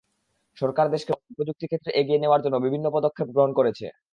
সরকার দেশকে প্রযুক্তি ক্ষেত্রে এগিয়ে নেওয়ার জন্য বিভিন্ন পদক্ষেপ গ্রহণ করেছে।